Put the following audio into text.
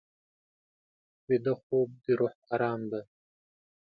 ویده خوب د روح ارام دی